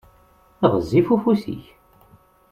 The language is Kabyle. Γezzif ufus-ik!